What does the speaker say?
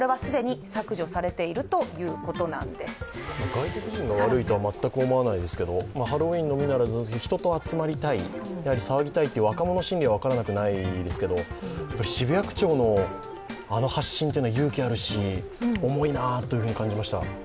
外国人が悪いとは全く思わないですけれどハロウィーンのみならず、人と集まりたい、やはり騒ぎたいという若者心理は分からないでもないですけど、渋谷区長のあの発信っていうのは勇気あるし重いなと感じました。